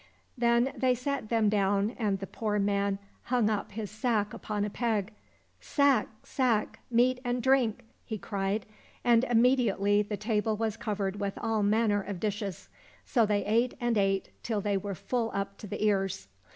Then they sat them down, and the poor man hung up his sack upon a peg. " Sack, sack, meat and drink !" he cried, and immediately the table was covered with all manner of dishes. So they ate and ate, till they were full up to the ears.